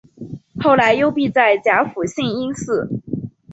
后来幽闭在甲府兴因寺。